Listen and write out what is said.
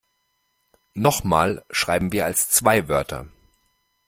Noch mal schreiben wir als zwei Wörter.